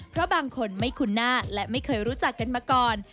เพราะบางคนไม่คุ้นหน้าและไม่เคยรู้จักกันมาก่อน